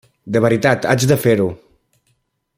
De veritat, haig de fer-ho!